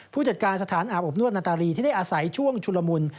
ผู้จัดการสถานอาบอบนวดนาตารีที่ได้อาศัยช่วงชุลมุน